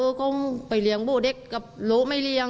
มาเลยโว้กลงไปเลี้ยงพ่อเด็กกับโหลยไม่เลี้ยง